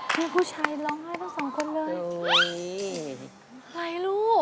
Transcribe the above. ไม่ผู้ชายร้องไฮทั้งสองคนเลย